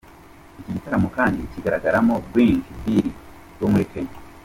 Iki gitaramo kandi kigaragaramo Blinky Bill wo muri Kenya.